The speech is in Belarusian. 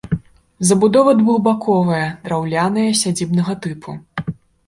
Забудова двухбаковая, драўляная, сядзібнага тыпу.